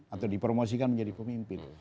atau dipromosikan menjadi pemimpin